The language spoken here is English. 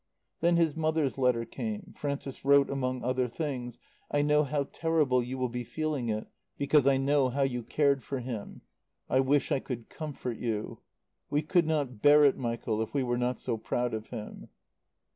Then his mother's letter came. Frances wrote, among other things: "I know how terribly you will be feeling it, because I know how you cared for him. I wish I could comfort you. We could not bear it, Michael, if we were not so proud of him."